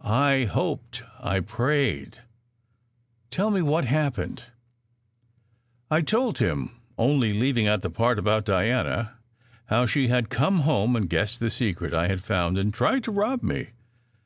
"I hoped I prayed." "Tell me what happened." I told him, only leaving out the part about Diana, how she had come home and guessed the secret I had found and tried to rob me.